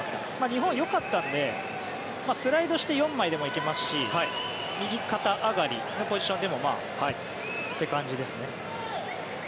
日本、よかったのでスライドして４枚でもいけますし右肩上がりのポジションでもまあっていう感じですね。